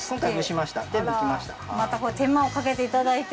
また手間をかけていただいて。